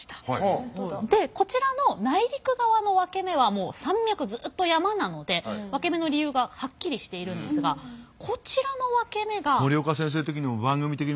でこちらの内陸側のワケメはもう山脈ずっと山なのでワケメの理由がはっきりしているんですがこちらのワケメが。